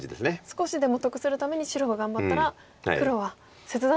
少しでも得するために白が頑張ったら黒は切断してきたんですね。